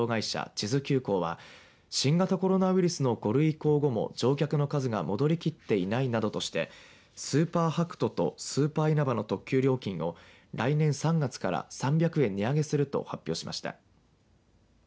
智頭急行は新型コロナウイルスの５類以降後も乗客の数が戻りきっていないなどとしてスーパーはくととスーパーいなばの特急料金を来年３月から３００円値上げすると発表しました。